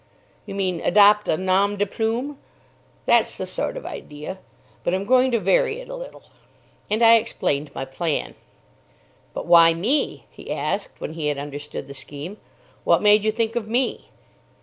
"You mean, adopt a nom de ploom?" "That's the sort of idea; but I'm going to vary it a little." And I explained my plan. "But why me?" he asked, when he had understood the scheme. "What made you think of me?"